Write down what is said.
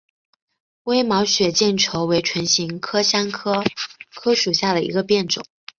微毛血见愁为唇形科香科科属下的一个变种。